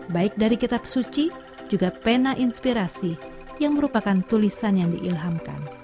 baik dari kitab suci juga pena inspirasi yang merupakan tulisan yang diilhamkan